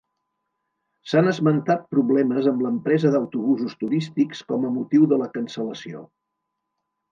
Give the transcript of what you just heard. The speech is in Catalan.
S'han esmentat problemes amb l'empresa d'autobusos turístics com a motiu de la cancel·lació.